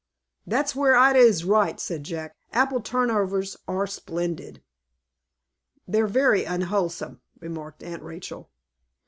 "That's where Ida is right," said Jack, "apple turnovers are splendid." "They're very unwholesome," remarked Aunt Rachel.